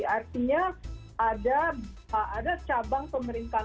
artinya ada cabang pemerintah